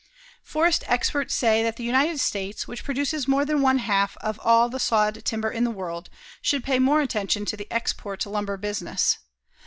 Forest experts say that the United States, which produces more than one half of all the sawed timber in the world, should pay more attention to the export lumber business.